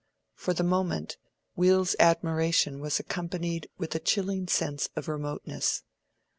For the moment, Will's admiration was accompanied with a chilling sense of remoteness.